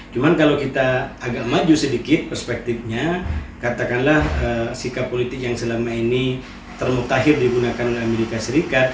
cuma kalau kita agak maju sedikit perspektifnya katakanlah sikap politik yang selama ini termutakhir digunakan oleh amerika serikat